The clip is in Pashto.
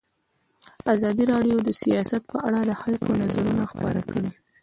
ازادي راډیو د سیاست په اړه د خلکو نظرونه خپاره کړي.